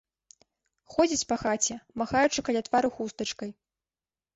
Ходзіць па хаце, махаючы каля твару хустачкай.